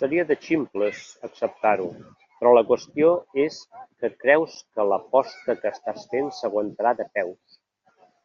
Seria de ximples acceptar-ho, però la qüestió és que creus que l'aposta que estàs fent s'aguantarà de peus.